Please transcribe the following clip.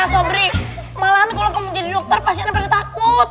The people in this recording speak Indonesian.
sobrini malam kalau kamu jadi dokter pasti takut